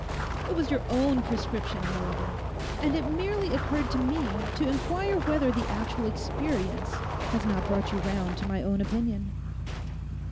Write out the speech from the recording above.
It was your own prescription, however; and it merely occurred to me to inquire whether the actual experience has not brought you round to my own opinion.